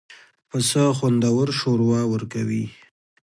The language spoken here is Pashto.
پسه خوندور شوروا ورکوي.